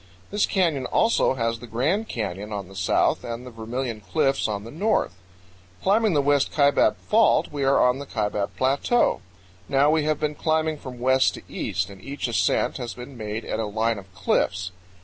This canyon also has the Grand Canyon on the south and the Vermilion Cliffs on the north. Climbing the West Kaibab Fault, we are on the Kaibab Plateau. Now we have been climbing from west to east, and each ascent has been made at a line of cliffs.